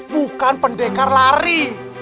bukan pendekar lari